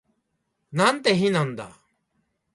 なんて日なんだ